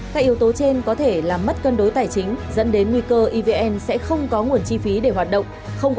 các yếu tố trên có thể làm mất cân đối tài chính dẫn đến nguy cơ evn sẽ không có nguồn chi phí để hoạt động